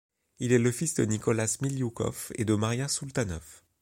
Il est le fils de Nicolas Milioukov et de Maria Soultanoff.